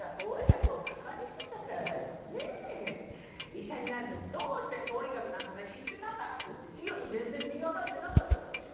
医者になるのにどうして法医学なんかが必修なんだ！って言って授業に全然身が入ってなかったじゃない。